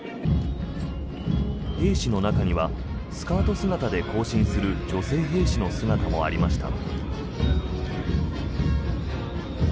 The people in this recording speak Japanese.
兵士の中にはスカート姿で行進する女性兵士の姿もありました。